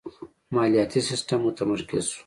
مالیاتی سیستم متمرکز شو.